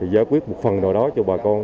giải quyết một phần nào đó cho bà con